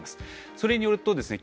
それによるとですね